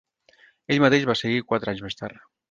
Ell mateix va seguir quatre anys més tard.